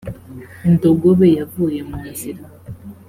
indogobe yavuye mu nzira.